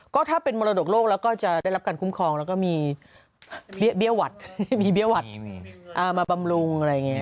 ก็ถ้าเป็นมรดกโลกแล้วก็จะได้รับการคุ้มครองแล้วก็มีเบี้ยวหวัดมาบำรุง